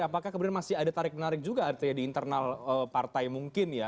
apakah kemudian masih ada tarik menarik juga artinya di internal partai mungkin ya